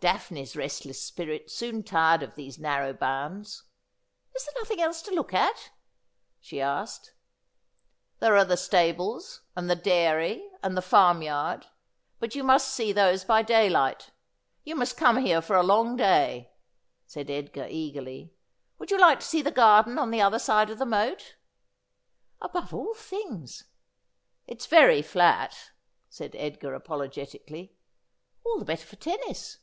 Daphne's restless spirit soon tired of these narrow bounds. ' Is there nothing else to look at ?' she asked. ' There are the stables, and the dairy, and the farm yard. But you must see those by daylight ; you must come here for a long day,' said Edgar eagerly. ' Would you like to see the gar den on the other side of the moat ?'' Above all things.' ' It is very flat,' said Edgar apologetically. ' All the better for tennis.'